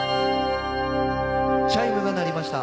チャイムが鳴りました。